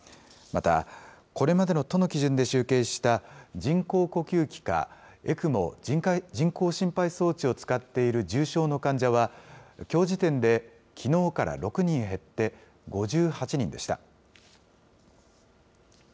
また、これまでの都の基準で集計した人工呼吸器か、ＥＣＭＯ・人工心肺装置を使っている重症の患者は、きょう時点で、きのうから６人減って５８人でした。